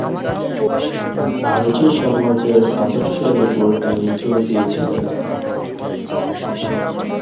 আর্য সমাজের আদর্শের উপর তিনি জোর দিয়েছিলেন।